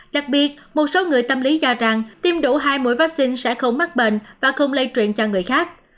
đặc biệt một số người tâm lý cho rằng tiêm đủ hai mũi vaccine sẽ không mắc bệnh và không lây truyền cho người khác